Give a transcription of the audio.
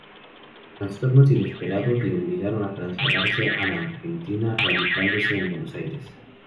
Trastornos inesperados le obligaron a trasladarse a la Argentina, radicándose en Buenos Aires.